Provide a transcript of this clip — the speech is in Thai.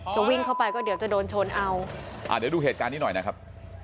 วิ่งเข้าไปก็เดี๋ยวจะโดนชนเอาอ่าเดี๋ยวดูเหตุการณ์นี้หน่อยนะครับ